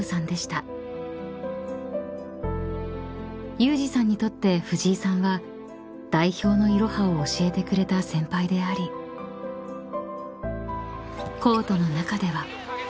［有志さんにとって藤井さんは代表のいろはを教えてくれた先輩でありコートの中では］